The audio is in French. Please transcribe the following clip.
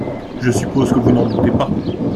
Je suppose que vous n’en doutez pas.